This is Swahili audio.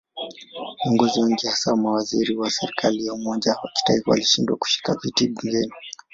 Viongozi wengi hasa mawaziri wa serikali ya umoja wa kitaifa walishindwa kushika viti bungeni.